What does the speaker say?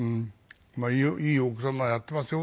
いい奥様やっていますよ。